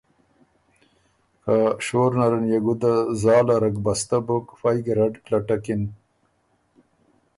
که شور نرن يې ګُده زاله رګ رګبسته بُک فئ ګیرډ پلټکِن۔